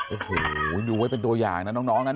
โอ้โหดูไว้เป็นตัวอย่างนะน้องนะ